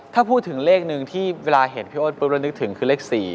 ถ้าพูดถึงเลขหนึ่งที่เวลาเห็นพี่อ้นปุ๊บแล้วนึกถึงคือเลข๔